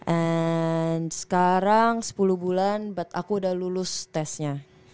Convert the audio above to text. and sekarang sepuluh bulan but aku udah lulus testnya